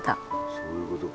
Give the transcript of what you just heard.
そういうことか。